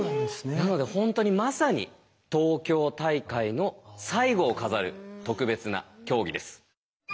なので本当にまさに東京大会の最後を飾る特別な競技です。